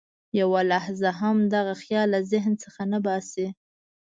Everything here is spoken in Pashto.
یوه لحظه هم دغه خیال له ذهن څخه نه باسي.